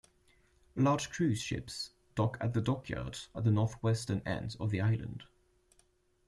Large cruise ships dock at the Dockyard at the northwestern end of the island.